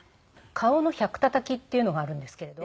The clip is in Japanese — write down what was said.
顔の１００たたきっていうのがあるんですけれど。